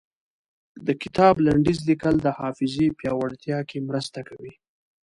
د کتاب لنډيز ليکل د حافظې پياوړتيا کې مرسته کوي.